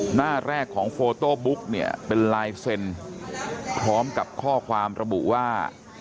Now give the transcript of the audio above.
หน้าแรกของโฟโต้บุ๊กเนี่ยเป็นลายเซ็นพร้อมกับข้อความระบุว่า